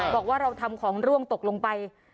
บอกว่าเราทำของร่วงตกลงไป